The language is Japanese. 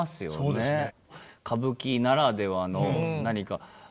そうですね。